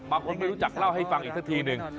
บางคนไม่รู้จักเล่าให้ฟังอีกทีหนึ่ง